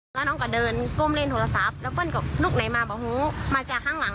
พอหนูเดินไปถึงที่เบิ้ลปุ๊บก็เดินมาเข้ามาประกบหนู